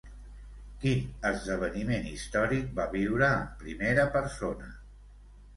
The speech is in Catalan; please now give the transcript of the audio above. Quin esdeveniment històric va viure en primera persona?